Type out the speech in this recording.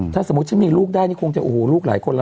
ถ้าสมมุติฉันมีลูกได้นี่คงจะโอ้โหลูกหลายคนแล้ว